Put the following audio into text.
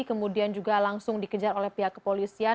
kemudian juga langsung dikejar oleh pihak kepolisian